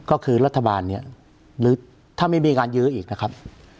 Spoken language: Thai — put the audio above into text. ก็คือรัฐบาลเนี่ยหรือถ้าไม่มีการยื้ออีกนะครับ